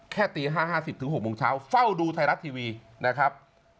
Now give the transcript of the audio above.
แค่ตี๕๕๐ถึง๖โมงเช้าเฝ้าดูไทยรักษณ์ทีวีนะครับ